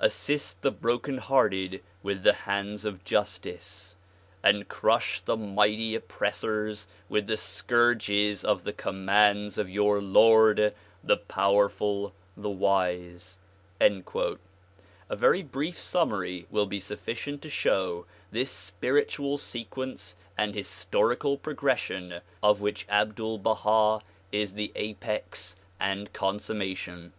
assist the broken hearted with the liands of justice and crush the mighty oppressors with the scourges of the commands of your Lord, the powerful, the wise." A very brief summary will be sufficient to show this spiritual sequence and historical progression of which Abdul Baha is the apex and consummation.